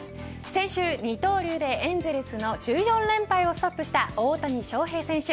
先週二刀流でエンゼルスの１４連敗をストップした大谷翔平選手。